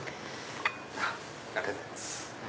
ありがとうございます。